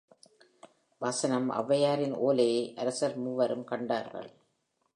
வசனம் ஒளவையாரின் ஒலையை அரசர் மூவரும் கண்டார்கள்.